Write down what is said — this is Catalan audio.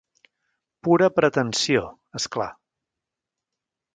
Pura pretensió, és clar.